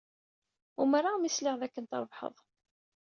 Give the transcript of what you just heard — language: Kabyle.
Umreɣ mi sliɣ dakken trebḥed.